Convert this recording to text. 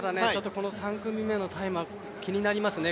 この３組目のタイムは気になりますね。